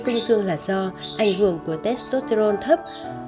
cương dương là do ảnh hưởng của testosterone thấp